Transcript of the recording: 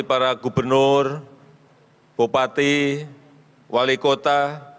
para gubernur bupati wali kota